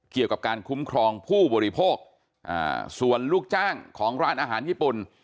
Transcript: เกี่ยวกับการคุ้มครองผู้บริโภคส่วนลูกจ้างของร้านอาหารญี่ปุ่น